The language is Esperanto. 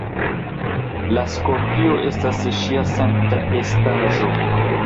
La skorpio estas ŝia sankta estaĵo.